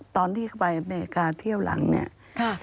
ตอนที่เขาไปอเมริกาเที่ยวหลังเนี่ย